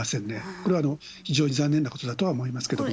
これは非常に残念なことだと思いますけれども。